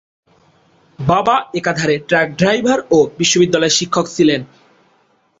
বাবা একাধারে truck driver ও বিদ্যালয়ের শিক্ষক ছিলেন।